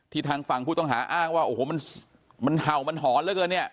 ทางฝั่งผู้ต้องหาอ้างว่าโอ้โหมันเห่ามันหอนเหลือเกินเนี่ย